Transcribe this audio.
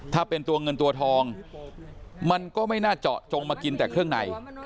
ถ้าเป็นตัวเงินตัวทองมันก็ไม่น่าเจาะจงมากินแต่เครื่องใน